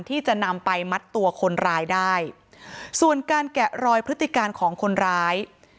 ที่จะนำไปมัดตัวคนร้ายได้ส่วนการแกะรอยพฤติการของคนร้าย